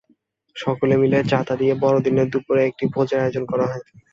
সকলে মিলে চাঁদা দিয়ে বড়দিনের দুপুরে একটি ভোজের আয়োজন করা হয়।